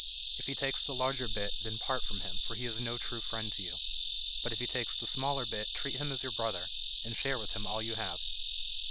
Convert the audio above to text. If he takes the larger bit, then part from him, for he is no true friend to you. But if he takes the smaller bit treat him as your brother, and share with him all you have."